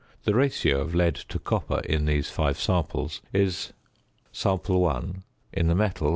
The ratio of lead to copper in these five samples is: In the Metal.